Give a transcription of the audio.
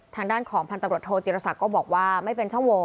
ทางด้านของพันตำรวจโทจิรษักก็บอกว่าไม่เป็นช่องโว